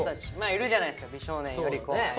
いるじゃないですか美少年より後輩の。